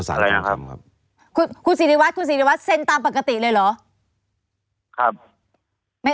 ไม่ใช่คนนี้นะที่ใช้มือซ้าย